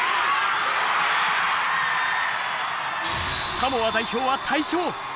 サモア代表は大勝！